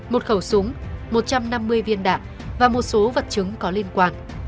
một khẩu súng một trăm năm mươi viên đạn và một số vật chứng có liên quan